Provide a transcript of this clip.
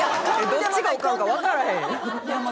どっちがオカンかわからへん。